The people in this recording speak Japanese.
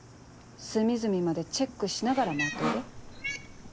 隅々までチェックしながら回っといで。